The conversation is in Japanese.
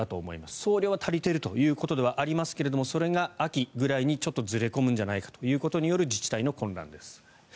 総量は足りているということではありますがそれが秋くらいにちょっとずれ込むんじゃないかということによる自治体の混乱です。